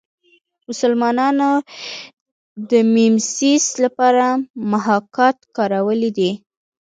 مسلمانانو د میمیسیس لپاره محاکات کارولی دی